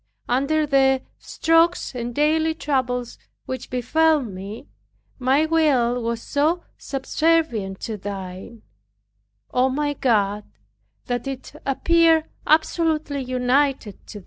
Under the strokes and daily troubles which befell me, my will was so subservient to Thine, O my God, that it appeared absolutely united to it.